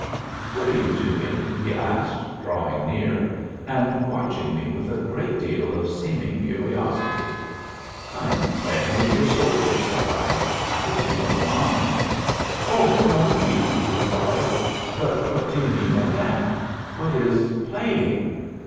"What are you doing?" he asked, drawing near, and watching me with a good deal of seeming curiosity. "I am playing with your soldiers," said I. "I hope you don't mind?" "Oh, no indeed," he replied; "but what do you mean by that? What is playing?"